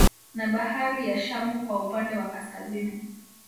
Na bahari ya Shamu kwa upande wa Kaskazini